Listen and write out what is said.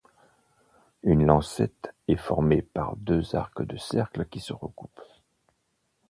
Une lancette est formée par deux arcs de cercle qui se recoupent.